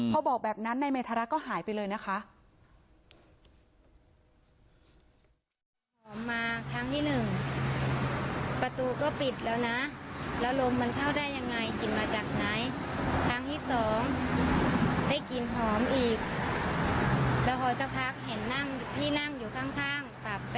พอบอกแบบนั้นนายเมธารัฐก็หายไปเลยนะคะ